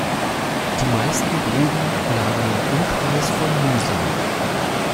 Die meisten Gruben lagen im Umkreis von Müsen.